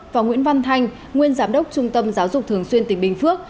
và nguyễn văn thanh nguyên giám đốc trung tâm giáo dục thường xuyên tỉnh bình phước